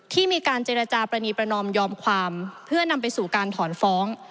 ที่มีการเจรจาปรณีประนอมยอมความเพื่อนำไปสู่การถอนฟ้อง